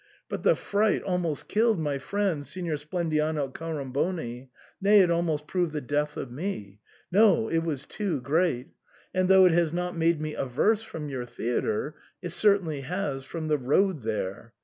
But the fright almost killed my friend Signor Splendiano Accoramboni, nay, it almost proved the death of me — no, it was too great ; and though it has not made me averse from your theatre, it certainly has from the road there.